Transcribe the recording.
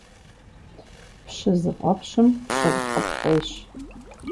Пщы зыфӀэпщым пщылӀ къыпфӀещ.